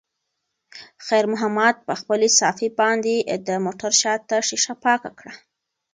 خیر محمد په خپلې صافې باندې د موټر شاته ښیښه پاکه کړه.